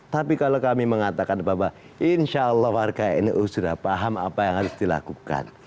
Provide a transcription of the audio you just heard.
tapi kalau kami mengatakan bahwa insya allah warga nu sudah paham apa yang harus dilakukan